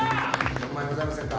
４万円ございませんか？